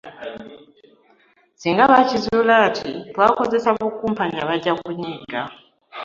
Ssinga bakizuula nti twakozesa bukumpanya bajja kunyiiga.